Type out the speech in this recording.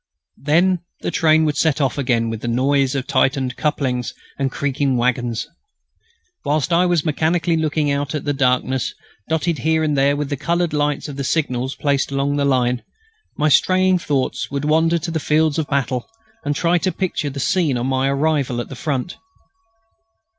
Then the train would set off again with a noise of tightened couplings and creaking waggons. Whilst I was mechanically looking out at the darkness, dotted here and there with the coloured lights of the signals placed along the line, my straying thoughts would wander to the fields of battle and try to picture the scene on my arrival at the Front.